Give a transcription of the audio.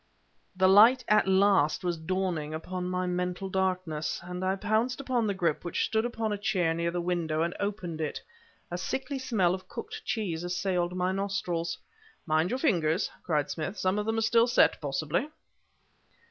The light at last was dawning upon my mental darkness, and I pounced upon the grip, which stood upon a chair near the window, and opened it. A sickly smell of cooked cheese assailed my nostrils. "Mind your fingers!" cried Smith; "some of them are still set, possibly."